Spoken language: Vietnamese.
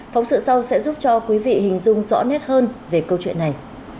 phóng sự sau sẽ giúp cho quý vị hình dung rõ nét hơn về câu chuyện này